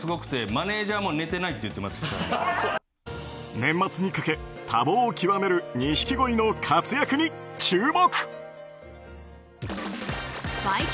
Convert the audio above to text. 年末にかけ多忙を極める錦鯉の活躍に注目。